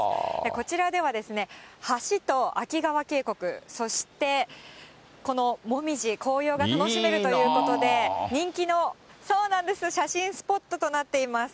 こちらでは、橋と秋川渓谷、そしてこのもみじ、紅葉が楽しめるということで、人気の、そうなんです、写真スポットとなっています。